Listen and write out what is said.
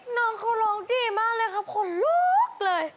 น้องเขาร้องดีมากเลยครับขนลุกเลย